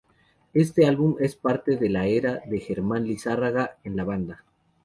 Este álbum es parte de la era de Germán Lizárraga en la banda.